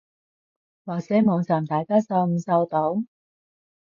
或者網站大家收唔收到？